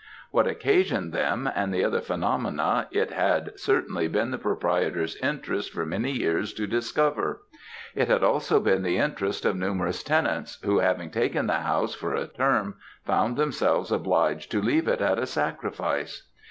What occasioned them and the other phenomena, it had certainly been the proprietor's interest for many years to discover; it had also been the interest of numerous tenants, who having taken the house for a term, found themselves obliged to leave it at a sacrifice.